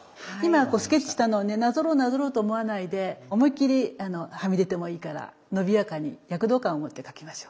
今スケッチしたのをなぞろうなぞろうと思わないで思い切りはみ出てもいいから伸びやかに躍動感を持って描きましょう。